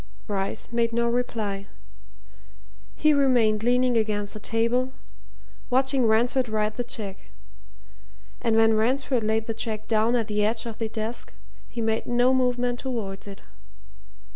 Bryce made no reply. He remained leaning against the table, watching Ransford write the cheque. And when Ransford laid the cheque down at the edge of the desk he made no movement towards it.